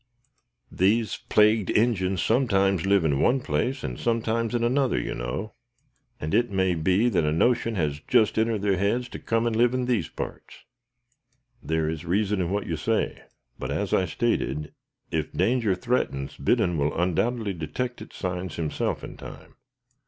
These plagued Injins sometimes live in one place and sometimes in another, you know, and it may be that a notion has just entered their heads to come and live in these parts." "There is reason in what you say, but, as I stated, if danger threatens, Biddon will undoubtedly detect its signs himself in time."